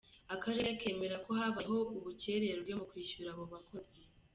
Akarere kemera ko habayeho ubukererwe mu kwishyura abo bakozi.